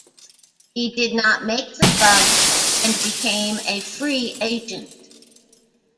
He did not make the club and became a free agent.